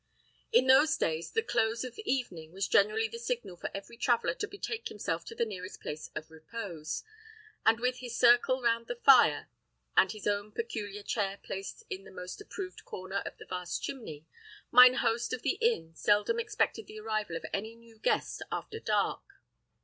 In those days, the close of evening was generally the signal for every traveller to betake himself to the nearest place of repose; and with his circle round the fire, and his own peculiar chair placed in the most approved corner of the vast chimney, mine host of the inn seldom expected the arrival of any new guest after dark.